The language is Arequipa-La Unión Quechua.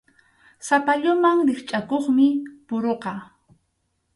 Sapalluman rikchʼakuqmi puruqa.